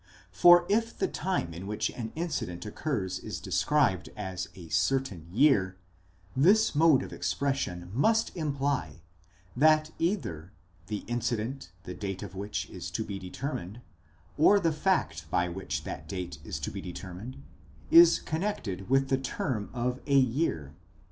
For if the time in which an incident occurs is described as a certain year, this mode of expression must imply, that either the incident the date of which is to be determined, or the fact by which that date is to be determined, is connected with the term of a year.